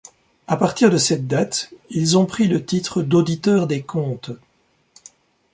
À partir de cette date, ils ont pris le titre d'Auditeur des comptes.